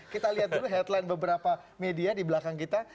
kita lihat dulu headline beberapa media di belakang kita